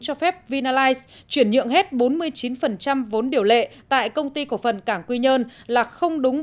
cho phép vinalize chuyển nhượng hết bốn mươi chín vốn điều lệ tại công ty cổ phần cảng quy nhơn là không đúng